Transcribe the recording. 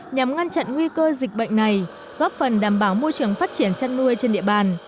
nhằm ngăn chặn nguy cơ dịch bệnh này góp phần đảm bảo môi trường phát triển chăn nuôi trên địa bàn